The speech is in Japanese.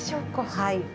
はい。